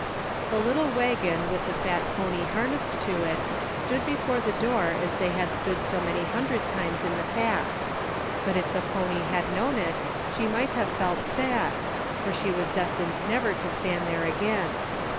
The little wagon with the fat pony harnessed to it stood before the door as they had stood so many hundred times in the past ; but if the pony had known it, she might have felt sad, for she was destined never to stand there again.